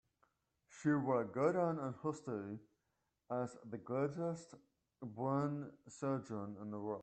She will go down in history as the greatest brain surgeon in the world.